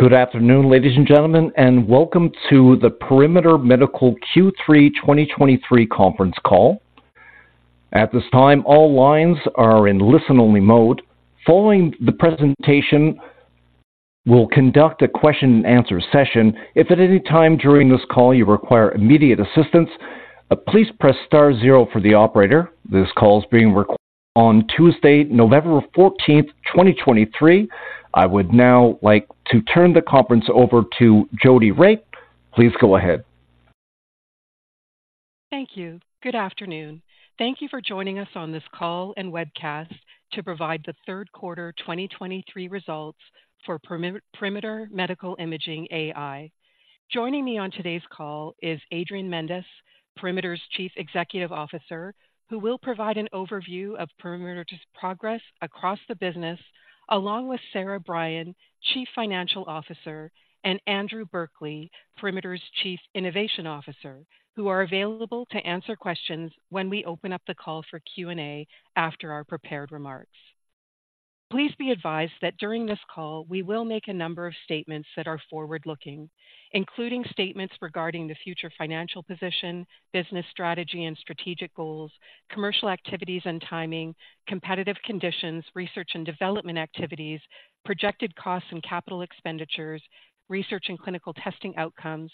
Good afternoon, ladies and gentlemen, and welcome to the Perimeter Medical Q3 2023 conference call. At this time, all lines are in listen-only mode. Following the presentation, we'll conduct a question-and-answer session. If at any time during this call you require immediate assistance, please press star zero for the operator. This call is being recorded on Tuesday, November 14th, 2023. I would now like to turn the conference over to Jodi Regts. Please go ahead. Thank you. Good afternoon. Thank you for joining us on this call and webcast to provide the third quarter 2023 results for Perimeter Medical Imaging AI. Joining me on today's call is Adrian Mendes, Perimeter's Chief Executive Officer, who will provide an overview of Perimeter's progress across the business, along with Sara Brien, Chief Financial Officer, and Andrew Berkeley, Perimeter's Chief Innovation Officer, who are available to answer questions when we open up the call for Q&A after our prepared remarks. Please be advised that during this call, we will make a number of statements that are forward-looking, including statements regarding the future financial position, business strategy and strategic goals, commercial activities and timing, competitive conditions, research and development activities, projected costs and capital expenditures, research and clinical testing outcomes,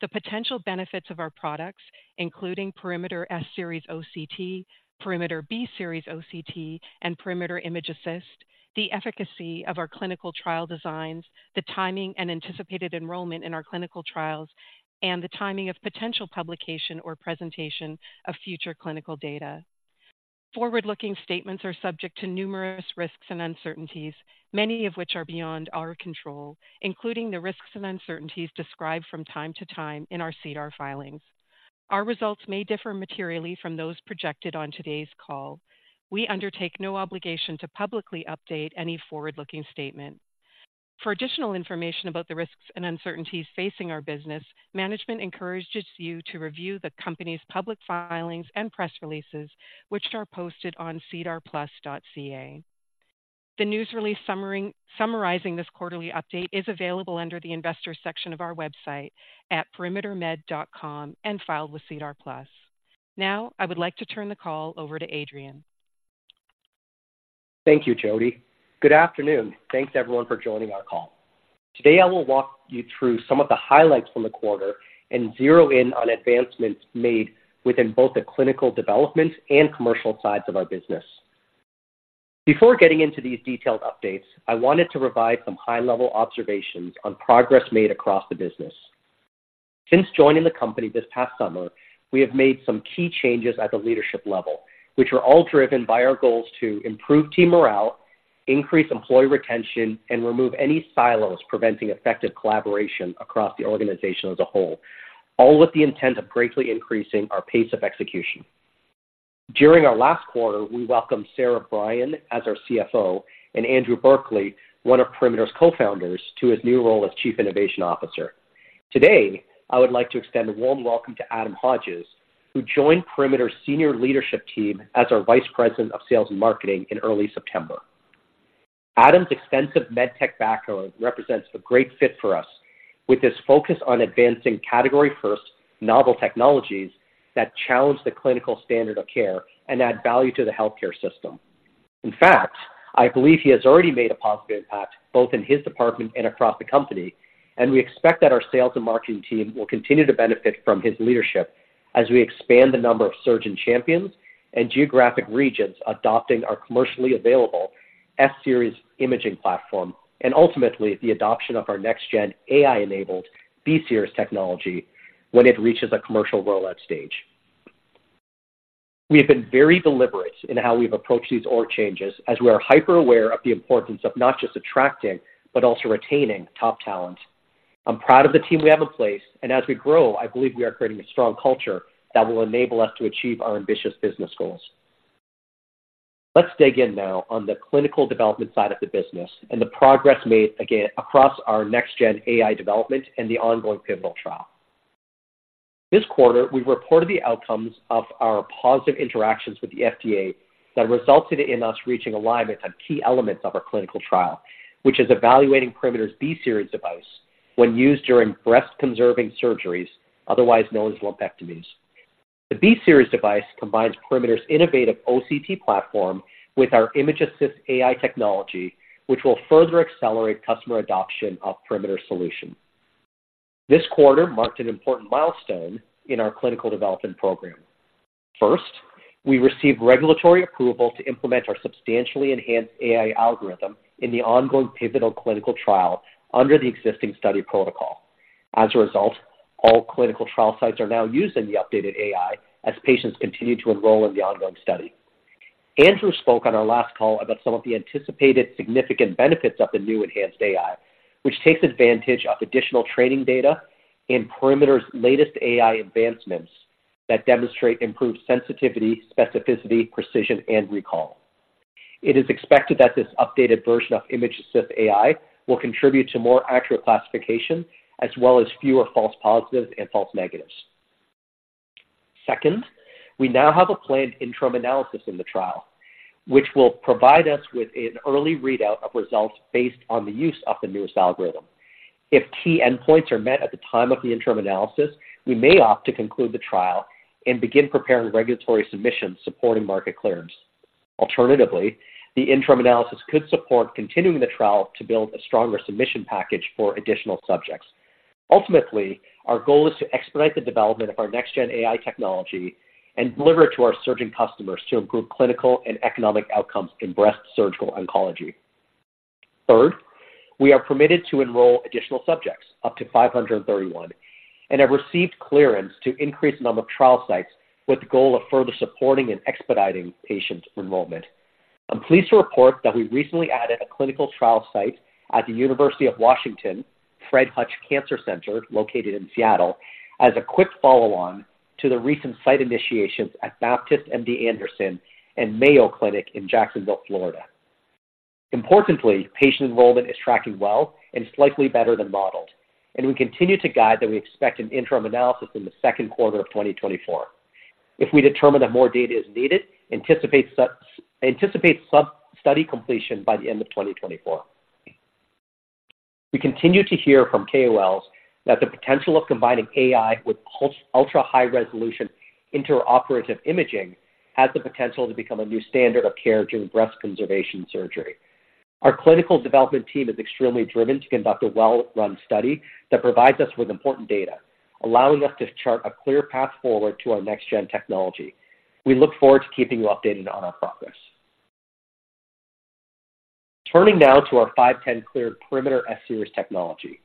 the potential benefits of our products, including Perimeter S-Series OCT, Perimeter B-Series OCT, and Perimeter ImgAssist, the efficacy of our clinical trial designs, the timing and anticipated enrollment in our clinical trials, and the timing of potential publication or presentation of future clinical data. Forward-looking statements are subject to numerous risks and uncertainties, many of which are beyond our control, including the risks and uncertainties described from time to time in our SEDAR filings. Our results may differ materially from those projected on today's call. We undertake no obligation to publicly update any forward-looking statement. For additional information about the risks and uncertainties facing our business, Management encourages you to review the company's public filings and press releases, which are posted on sedarplus.ca. The news release summary summarizing this quarterly update is available under the Investors section of our website at perimetermed.com and filed with SEDAR+. Now, I would like to turn the call over to Adrian. Thank you, Jodi. Good afternoon. Thanks, everyone, for joining our call. Today, I will walk you through some of the highlights from the quarter and zero in on advancements made within both the clinical development and commercial sides of our business. Before getting into these detailed updates, I wanted to provide some high-level observations on progress made across the business. Since joining the company this past summer, we have made some key changes at the leadership level, which are all driven by our goals to improve team morale, increase employee retention, and remove any silos preventing effective collaboration across the organization as a whole, all with the intent of greatly increasing our pace of execution. During our last quarter, we welcomed Sara Brien as our CFO and Andrew Berkeley, one of Perimeter's Co-Founders, to his new role as Chief Innovation Officer. Today, I would like to extend a warm welcome to Adam Hodges, who joined Perimeter's senior leadership team as our Vice President of Sales and Marketing in early September. Adam's extensive med tech background represents a great fit for us, with his focus on advancing category-first novel technologies that challenge the clinical standard of care and add value to the healthcare system. In fact, I believe he has already made a positive impact both in his department and across the company, and we expect that our sales and marketing team will continue to benefit from his leadership as we expand the number of surgeon champions and geographic regions adopting our commercially available S-Series imaging platform, and ultimately, the adoption of our next-gen AI-enabled B-Series technology when it reaches a commercial rollout stage. We have been very deliberate in how we've approached these org changes, as we are hyper-aware of the importance of not just attracting, but also retaining top talent. I'm proud of the team we have in place, and as we grow, I believe we are creating a strong culture that will enable us to achieve our ambitious business goals. Let's dig in now on the clinical development side of the business and the progress made again across our next-gen AI development and the ongoing pivotal trial. This quarter, we reported the outcomes of our positive interactions with the FDA that resulted in us reaching alignment on key elements of our clinical trial, which is evaluating Perimeter's B-Series device when used during breast-conserving surgeries, otherwise known as lumpectomies. The B-Series device combines Perimeter's innovative OCT platform with our ImgAssist AI technology, which will further accelerate customer adoption of Perimeter solutions. This quarter marked an important milestone in our clinical development program. First, we received regulatory approval to implement our substantially enhanced AI algorithm in the ongoing pivotal clinical trial under the existing study protocol. As a result, all clinical trial sites are now using the updated AI as patients continue to enroll in the ongoing study. Andrew spoke on our last call about some of the anticipated significant benefits of the new enhanced AI, which takes advantage of additional training data and Perimeter's latest AI advancements that demonstrate improved sensitivity, specificity, precision, and recall. It is expected that this updated version of ImgAssist AI will contribute to more accurate classification, as well as fewer false positives and false negatives... Second, we now have a planned interim analysis in the trial, which will provide us with an early readout of results based on the use of the newest algorithm. If key endpoints are met at the time of the interim analysis, we may opt to conclude the trial and begin preparing regulatory submissions supporting market clearance. Alternatively, the interim analysis could support continuing the trial to build a stronger submission package for additional subjects. Ultimately, our goal is to expedite the development of our next-gen AI technology and deliver it to our surgeon customers to improve clinical and economic outcomes in breast surgical oncology. Third, we are permitted to enroll additional subjects, up to 531, and have received clearance to increase the number of trial sites with the goal of further supporting and expediting patient enrollment. I'm pleased to report that we recently added a clinical trial site at the University of Washington/Fred Hutchinson Cancer Center, located in Seattle, as a quick follow-on to the recent site initiations at Baptist MD Anderson Cancer Center and Mayo Clinic in Jacksonville, Florida. Importantly, patient enrollment is tracking well and slightly better than modeled, and we continue to guide that we expect an interim analysis in the second quarter of 2024. If we determine that more data is needed, anticipate study completion by the end of 2024. We continue to hear from KOLs that the potential of combining AI with ultra-high resolution intraoperative imaging has the potential to become a new standard of care during breast conservation surgery. Our clinical development team is extremely driven to conduct a well-run study that provides us with important data, allowing us to chart a clear path forward to our next gen technology. We look forward to keeping you updated on our progress. Turning now to our 510(k) cleared Perimeter S-Series technology.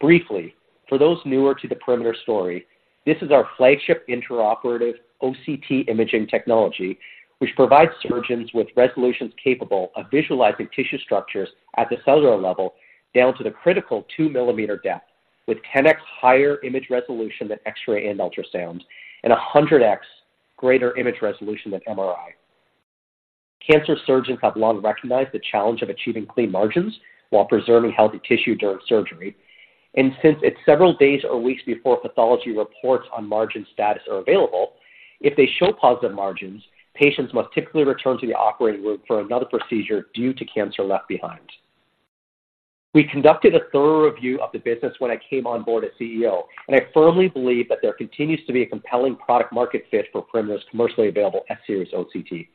Briefly, for those newer to the Perimeter story, this is our flagship intraoperative OCT imaging technology, which provides surgeons with resolution capable of visualizing tissue structures at the cellular level, down to the critical 2 mm depth, with 10x higher image resolution than X-ray and ultrasound, and 100x greater image resolution than MRI. Cancer surgeons have long recognized the challenge of achieving clean margins while preserving healthy tissue during surgery. Since it's several days or weeks before pathology reports on margin status are available, if they show positive margins, patients must typically return to the operating room for another procedure due to cancer left behind. We conducted a thorough review of the business when I came on board as CEO, and I firmly believe that there continues to be a compelling product market fit for Perimeter's commercially available S-Series OCT.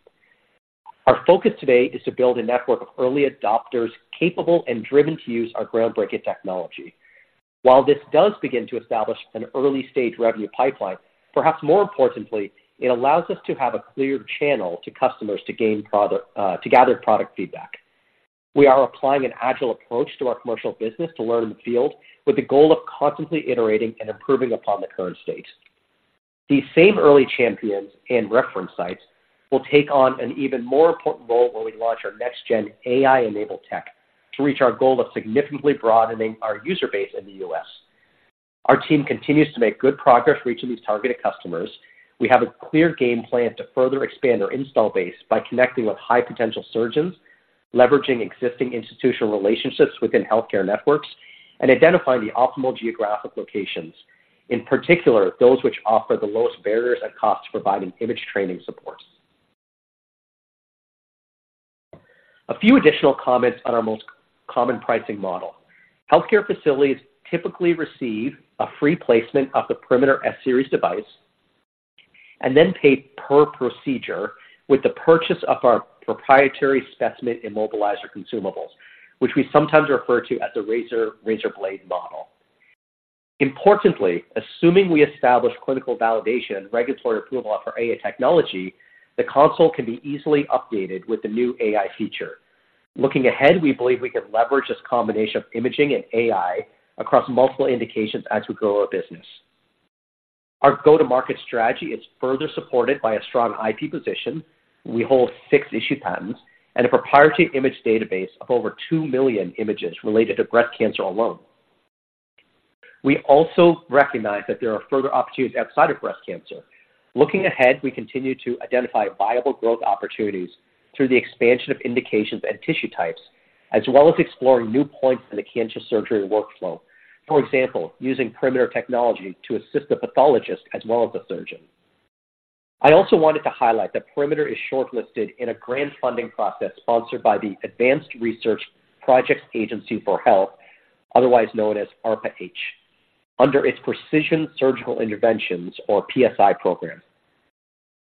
Our focus today is to build a network of early adopters capable and driven to use our groundbreaking technology. While this does begin to establish an early-stage revenue pipeline, perhaps more importantly, it allows us to have a clear channel to customers to gather product feedback. We are applying an agile approach to our commercial business to learn in the field, with the goal of constantly iterating and improving upon the current state. These same early champions and reference sites will take on an even more important role when we launch our next-gen AI-enabled tech to reach our goal of significantly broadening our user base in the U.S. Our team continues to make good progress reaching these targeted customers. We have a clear game plan to further expand our install base by connecting with high potential surgeons, leveraging existing institutional relationships within healthcare networks, and identifying the optimal geographic locations, in particular, those which offer the lowest barriers and costs for providing image training support. A few additional comments on our most common pricing model. Healthcare facilities typically receive a free placement of the Perimeter S-Series device and then pay per procedure with the purchase of our proprietary specimen immobilizer consumables, which we sometimes refer to as the razor-blade model. Importantly, assuming we establish clinical validation and regulatory approval of our AI technology, the console can be easily updated with the new AI feature. Looking ahead, we believe we can leverage this combination of imaging and AI across multiple indications as we grow our business. Our go-to-market strategy is further supported by a strong IP position. We hold six issued patents and a proprietary image database of over 2 million images related to breast cancer alone. We also recognize that there are further opportunities outside of breast cancer. Looking ahead, we continue to identify viable growth opportunities through the expansion of indications and tissue types, as well as exploring new points in the cancer surgery workflow. For example, using Perimeter technology to assist the pathologist as well as the surgeon. I also wanted to highlight that Perimeter is shortlisted in a grant funding process sponsored by the Advanced Research Projects Agency for Health, otherwise known as ARPA-H, under its Precision Surgical Interventions, or PSI program.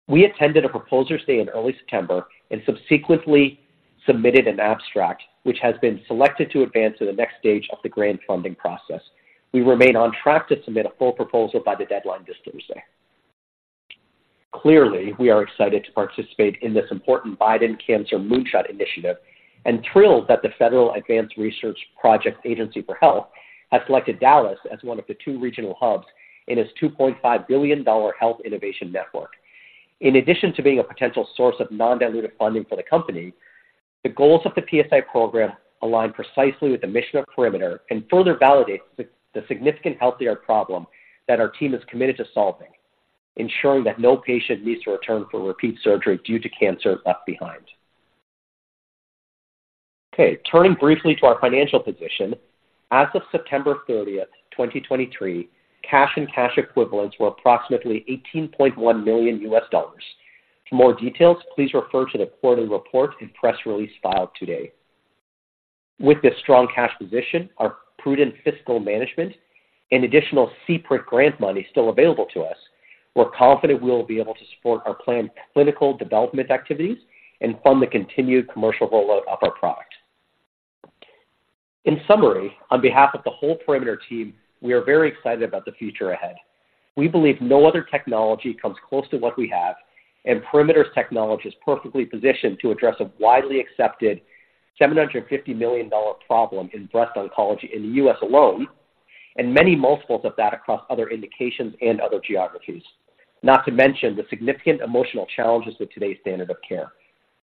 We attended a proposers day in early September and subsequently submitted an abstract, which has been selected to advance to the next stage of the grant funding process. We remain on track to submit a full proposal by the deadline this Thursday. Clearly, we are excited to participate in this important Biden Cancer Moonshot initiative, and thrilled that the Federal Advanced Research Projects Agency for Health has selected Dallas as one of the two regional hubs in its $2.5 billion health innovation network. In addition to being a potential source of non-dilutive funding for the company, the goals of the PSI program align precisely with the mission of Perimeter and further validates the significant healthcare problem that our team is committed to solving, ensuring that no patient needs to return for repeat surgery due to cancer left behind.... Okay, turning briefly to our financial position. As of September 30th, 2023, cash and cash equivalents were approximately $18.1 million. For more details, please refer to the quarterly report and press release filed today. With this strong cash position, our prudent fiscal management, and additional CPRIT grant money still available to us, we're confident we'll be able to support our planned clinical development activities and fund the continued commercial rollout of our product. In summary, on behalf of the whole Perimeter team, we are very excited about the future ahead. We believe no other technology comes close to what we have, and Perimeter's technology is perfectly positioned to address a widely accepted $750 million problem in breast oncology in the U.S. alone, and many multiples of that across other indications and other geographies. Not to mention the significant emotional challenges of today's standard of care.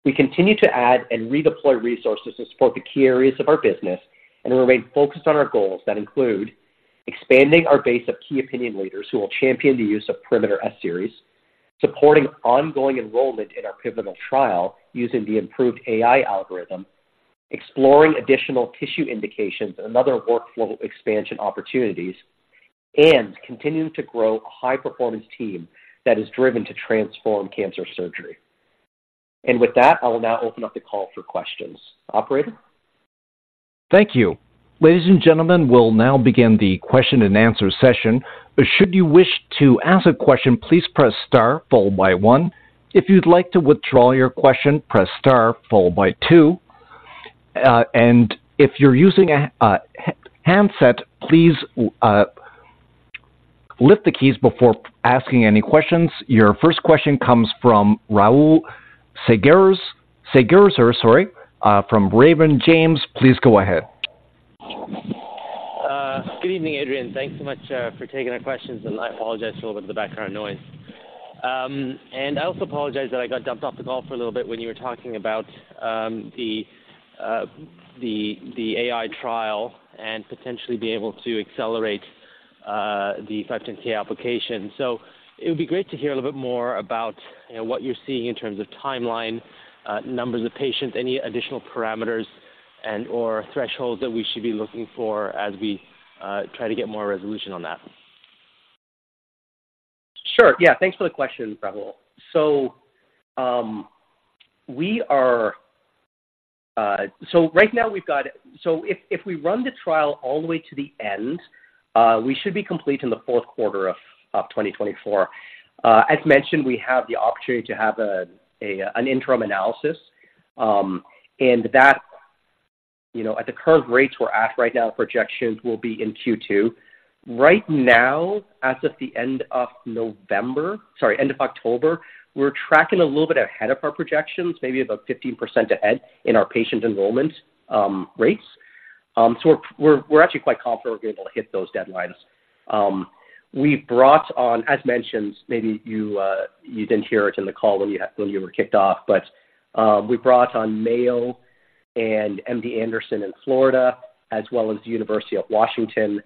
We continue to add and redeploy resources to support the key areas of our business and remain focused on our goals that include expanding our base of key opinion leaders who will champion the use of Perimeter S-Series, supporting ongoing enrollment in our pivotal trial using the improved AI algorithm, exploring additional tissue indications and other workflow expansion opportunities, and continuing to grow a high-performance team that is driven to transform cancer surgery. With that, I will now open up the call for questions. Operator? Thank you. Ladies and gentlemen, we'll now begin the question-and-answer session. Should you wish to ask a question, please press star followed by one. If you'd like to withdraw your question, press star followed by two. And if you're using a handset, please lift the keys before asking any questions. Your first question comes from Rahul Sarugaser from Raymond James. Please go ahead. Good evening, Adrian. Thanks so much for taking our questions, and I apologize for the background noise. And I also apologize that I got dumped off the call for a little bit when you were talking about the AI trial and potentially being able to accelerate the 510(k) application. So it would be great to hear a little bit more about, you know, what you're seeing in terms of timeline, numbers of patients, any additional parameters and/or thresholds that we should be looking for as we try to get more resolution on that. Sure. Yeah, thanks for the question, Rahul. So, we are. So right now we've got—so if we run the trial all the way to the end, we should be complete in the fourth quarter of 2024. As mentioned, we have the opportunity to have an interim analysis, and that, you know, at the current rates we're at right now, projections will be in Q2. Right now, as of the end of October, we're tracking a little bit ahead of our projections, maybe about 15% ahead in our patient enrollment rates. So we're actually quite confident we're going to be able to hit those deadlines. We brought on, as mentioned, maybe you didn't hear it in the call when you were kicked off, but we brought on Mayo and MD Anderson in Florida, as well as the University of Washington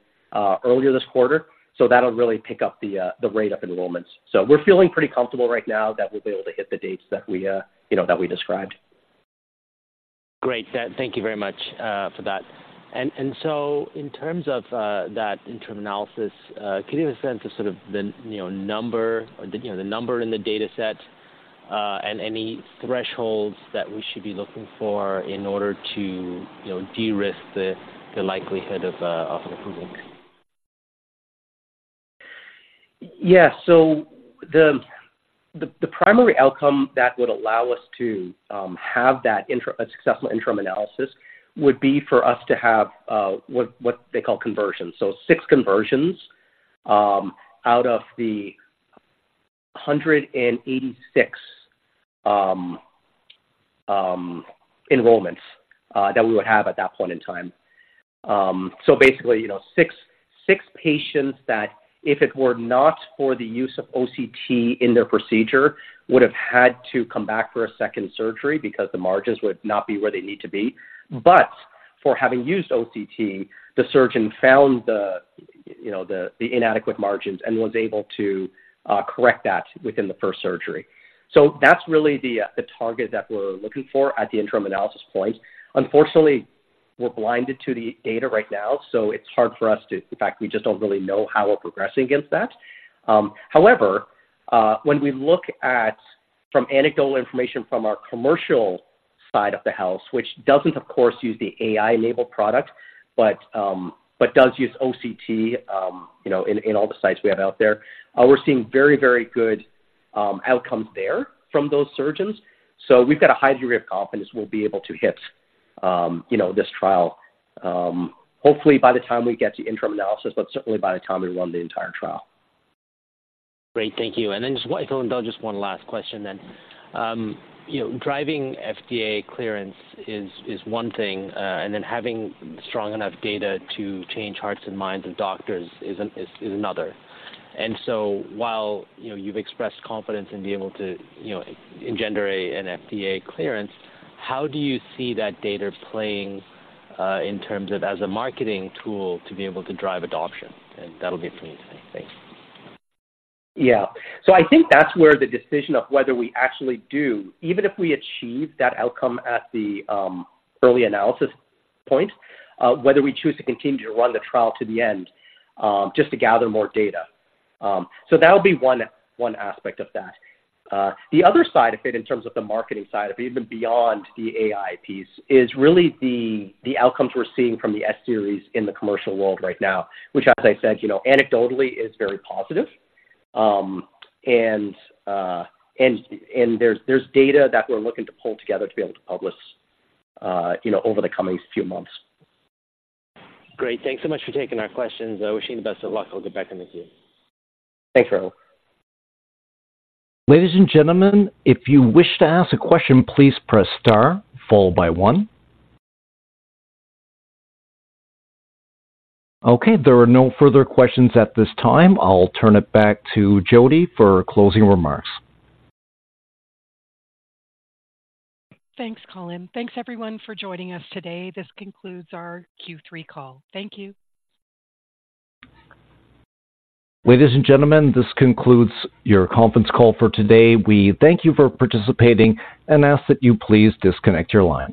earlier this quarter, so that'll really pick up the rate of enrollments. So we're feeling pretty comfortable right now that we'll be able to hit the dates that we, you know, that we described. Great. Thank you very much for that. And so in terms of that interim analysis, can you give a sense of sort of the, you know, number or the, you know, the number in the dataset, and any thresholds that we should be looking for in order to, you know, de-risk the likelihood of an approval? Yeah. So the primary outcome that would allow us to have a successful interim analysis would be for us to have what they call conversions. So six conversions out of the 186 enrollments that we would have at that point in time. So basically, you know, six patients that, if it were not for the use of OCT in their procedure, would have had to come back for a second surgery because the margins would not be where they need to be. But for having used OCT, the surgeon found the, you know, the inadequate margins and was able to correct that within the first surgery. So that's really the target that we're looking for at the interim analysis point. Unfortunately, we're blinded to the data right now, so it's hard for us to... In fact, we just don't really know how we're progressing against that. However, when we look at, from anecdotal information from our commercial side of the house, which doesn't, of course, use the AI-enabled product, but does use OCT, you know, in all the sites we have out there, we're seeing very, very good outcomes there from those surgeons. So we've got a high degree of confidence we'll be able to hit, you know, this trial, hopefully by the time we get to interim analysis, but certainly by the time we run the entire trial. Great. Thank you. And then just one, just one last question then. You know, driving FDA clearance is one thing, and then having strong enough data to change hearts and minds of doctors is another. And so while, you know, you've expressed confidence in being able to, you know, engender an FDA clearance, how do you see that data playing in terms of as a marketing tool to be able to drive adoption? And that'll be it for me today. Thanks. Yeah. So I think that's where the decision of whether we actually do, even if we achieve that outcome at the early analysis point, whether we choose to continue to run the trial to the end, just to gather more data. So that would be one, one aspect of that. The other side of it, in terms of the marketing side of it, even beyond the AI piece, is really the outcomes we're seeing from the S-Series in the commercial world right now, which, as I said, you know, anecdotally is very positive. And there's data that we're looking to pull together to be able to publish, you know, over the coming few months. Great. Thanks so much for taking our questions. I wish you the best of luck. I'll get back in with you. Thanks, Rahul. Ladies and gentlemen, if you wish to ask a question, please press star followed by one. Okay, there are no further questions at this time. I'll turn it back to Jodi for closing remarks. Thanks, Colin. Thanks, everyone, for joining us today. This concludes our Q3 call. Thank you. Ladies and gentlemen, this concludes your conference call for today. We thank you for participating and ask that you please disconnect your lines.